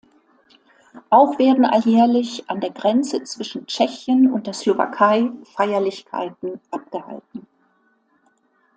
Auch werden alljährlich an der Grenze zwischen Tschechien und der Slowakei Feierlichkeiten abgehalten.